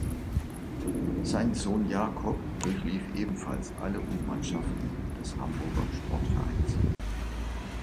Sein Sohn Jakob durchlief ebenfalls alle U-Mannschaften des Hamburger Sportvereins.